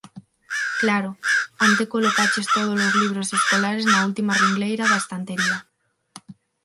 Claro, onte colocaches tódolos libros escolares na última ringleira da estantería.